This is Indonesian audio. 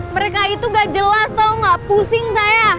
mereka itu enggak jelas tau enggak pusing saya